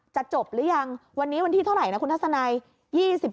จะจบหรือยังวันนี้วันที่เท่าไหร่นะคุณทัศนัย